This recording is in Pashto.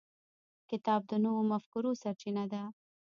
کتاب د نوو مفکورو سرچینه ده.